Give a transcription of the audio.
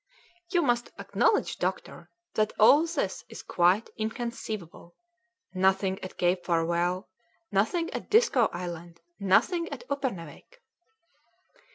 "You must acknowledge, doctor, that all this is quite inconceivable. Nothing at Cape Farewell, nothing at Disko Island, nothing at Uppernawik."